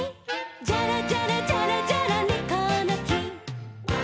「ジャラジャラジャラジャラネコのき」